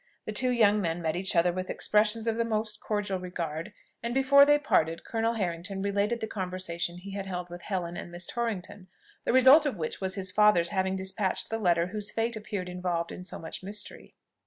The two young men met each other with expressions of the most cordial regard, and before they parted, Colonel Harrington related the conversation he had held with Helen and Miss Torrington, the result of which was his father's having despatched the letter whose fate appeared involved in so much mystery.